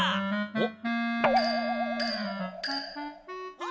おっ？